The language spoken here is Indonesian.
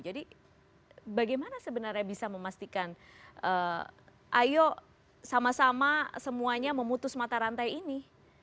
jadi bagaimana sebenarnya bisa memastikan eee ayo sama sama semuanya memutus mata rantai ini